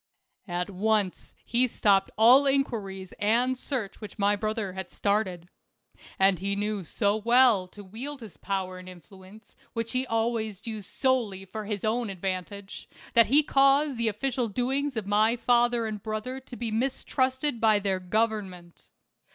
At once he stopped all inquiries and search which my brother had started. And he knew so well how to wield his power and influence, 228 THE CAE A VAN. which he always used solely for his own advant age, that he caused the official doings of my father and brother to be mistrusted by their Government.